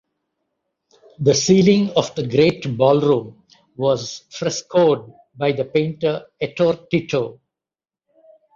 The ceiling of the great ballroom was frescoed by the painter Ettore Tito.